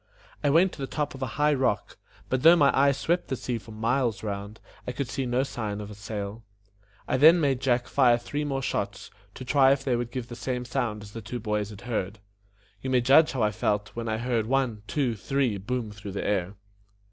I went to the top of a high rock, but though my eye swept the sea for miles round, I could see no signs of a sail. I then made Jack fire three more shots, to try if they would give the same sound as the two boys had heard. You may judge how I felt, when I heard one! two! three! boom through the air.